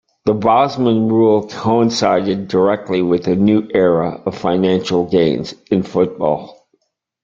The Bosman ruling coincided directly with a new era of financial gains in football.